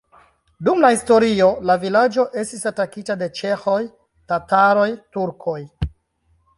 Dum la historio la vilaĝo estis atakita de ĉeĥoj, tataroj, turkoj.